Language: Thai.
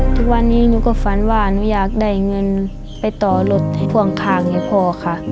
ทุกวันนี้หนูก็ฝันว่าหนูอยากได้เงินไปต่อรถพ่วงข้างให้พ่อค่ะ